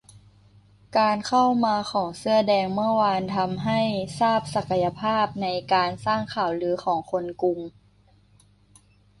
การเข้ามาของเสื้อแดงเมื่อวานทำให้ทราบศักยภาพในการสร้างข่าวลือของคนกรุง